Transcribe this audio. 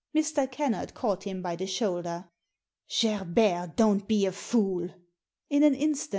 Mr. Kennard caught him by the shoulder. " Gerbert, don't be a fool !" In an instant M.